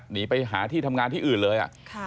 หนีไปหาที่ทำงานที่อื่นเลย